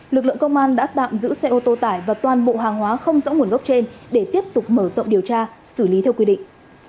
lực lượng công an đã tạm giữ xe ô tô tải và toàn bộ hàng hóa không rõ nguồn gốc trên để tiếp tục mở rộng điều tra xử lý theo quy định